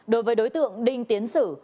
đối với đối tượng đinh tiến sử